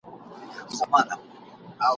چی له خولې به یې تیاره مړۍ لوېږی !.